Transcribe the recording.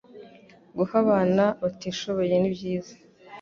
guha abana batishoboye ni byiza